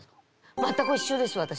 全く一緒です私。